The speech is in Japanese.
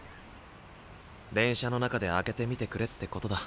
電車の中で開けてみてくれってことだ。